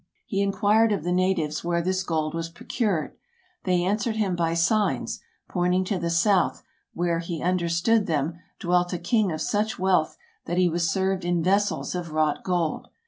He inquired of the natives where this gold was procured. They answered him by signs, pointing to the south, where, he understood them, dwelt a king of such wealth that he was served in vessels of wrought gold.